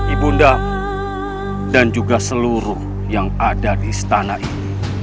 ibu nda dan juga seluruh yang ada di stasiun